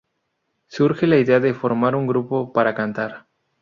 Surge la idea de formar un grupo para cantar.